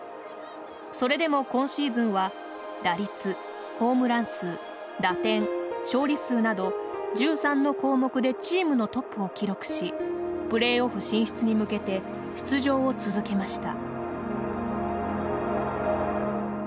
それでも、今シーズンは打率ホームラン数、打点、勝利数など１３の項目でチームのトップを記録しプレーオフ進出に向けて出場を続けました。